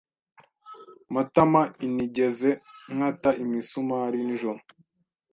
Matamainigeze nkata imisumari nijoro.